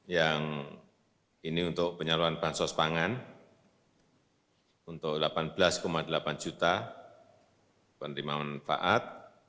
yang ini untuk penyaluran bansos pangan untuk delapan belas delapan juta penerima manfaat